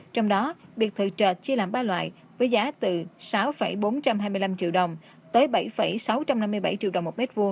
trong đó biệt thự trệt chia làm ba loại với giá từ sáu bốn trăm hai mươi năm triệu đồng tới bảy sáu trăm năm mươi bảy triệu đồng một m hai